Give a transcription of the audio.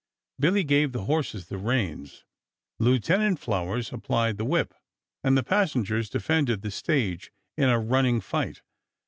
Billy gave the horses the reins, Lieutenant Flowers applied the whip, and the passengers defended the stage in a running fight.